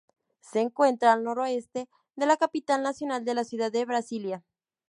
Se encuentra al noroeste de la capital nacional la ciudad de Brasilia.